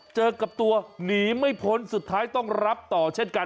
เจอกับตัวหนีไม่พ้นสุดท้ายต้องรับต่อเช่นกัน